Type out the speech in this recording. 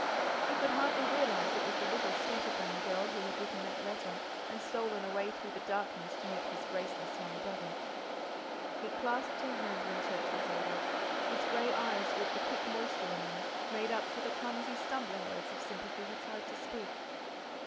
He could hardly realize it was the little scatterbrain girl who had written that letter, and stolen away through the darkness to meet his graceless young brother. He clasped her hand when church was over; his grey eyes, with the quick moisture in them, made up for the clumsy stumbling words of sympathy he tried to speak.